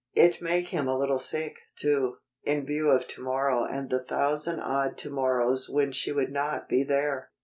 It make him a little sick, too, in view of to morrow and the thousand odd to morrows when she would not be there.